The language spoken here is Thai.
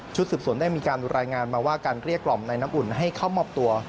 สืบสวนได้มีการรายงานมาว่าการเกลี้ยกล่อมในน้ำอุ่นให้เข้ามอบตัว